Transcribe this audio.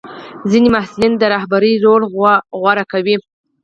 ځینې محصلین د رهبرۍ رول غوره کوي.